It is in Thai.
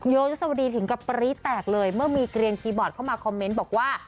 โยยศวดีถึงกับปรี๊แตกเลยเมื่อมีเกลียนคีย์บอร์ดเข้ามาคอมเมนต์บอกว่า